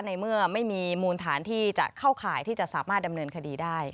ในเมื่อไม่มีมูลฐานที่จะเข้าข่ายที่จะสามารถดำเนินคดีได้